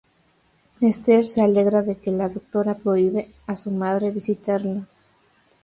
Esther se alegra de que la doctora prohíbe a su madre visitarla.